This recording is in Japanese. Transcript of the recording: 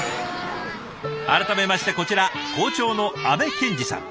改めましてこちら校長の安部憲司さん。